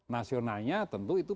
nasionalnya tentu itu